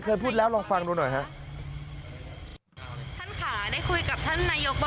เคยพูดแล้วลองฟังดูหน่อยครับ